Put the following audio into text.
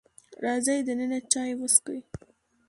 راځئ دننه چای وسکئ.